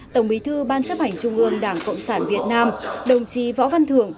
tổng bí thư ban chấp hành trung ương đảng cộng sản việt nam đồng chí võ văn thưởng